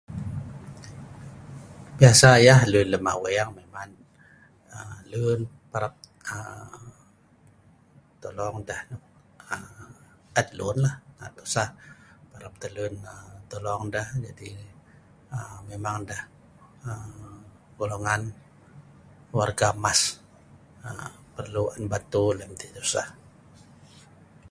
biasa yeh lun lem aweng ngan aa lun parap aa tolong deh aa et lu'un lah aa am tosah parap teh lun tolong deh jadi aa memang deh aa golongan warga emas aa perlu on bantu lem deh tosah